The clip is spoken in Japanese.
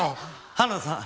花田さん